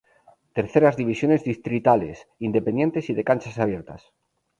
Terceras Divisiones Distritales, Independientes y de Canchas Abiertas.